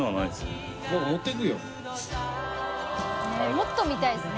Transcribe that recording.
もっと見たいですね